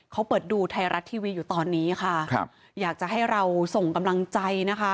เขาเปิดดูไทยรัฐทีวีอยู่ตอนนี้ค่ะครับอยากจะให้เราส่งกำลังใจนะคะ